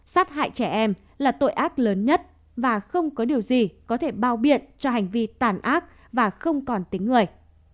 sát hại trẻ em là tội ác lớn nhất và không có điều gì có thể bao biện cho hành vi tàn ác và không còn tính người